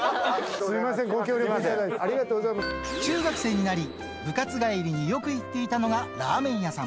すみません、ご協力いただい中学生になり、部活帰りによく行っていたのがラーメン屋さん。